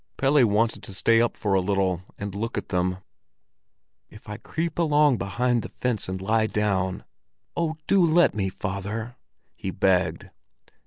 Pelle wanted to stay up for a little and look at them. "If I creep along behind the fence and lie down—oh, do let me, father!" he begged.